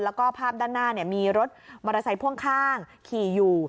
แล้วก็ภาพด้านหน้ามีรถมอเตอร์ไซค์พ่วงข้างขี่อยู่